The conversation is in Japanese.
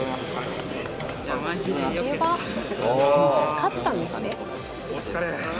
勝ったんですね。